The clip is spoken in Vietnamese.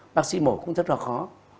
bác sĩ mổ cũng rất là khó